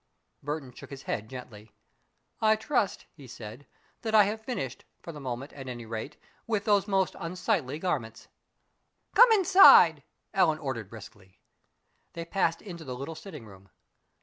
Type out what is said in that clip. Burton shook his head gently. "I trust," he said, "that I have finished, for the present, at any rate, with those most unsightly garments." "Come inside," Ellen ordered briskly. They passed into the little sitting room.